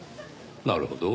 なるほど。